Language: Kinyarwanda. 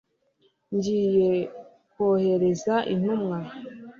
ngiye kohereza intumwa